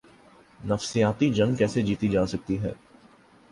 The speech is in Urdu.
نفسیاتی جنگ کیسے جیتی جا سکتی ہے۔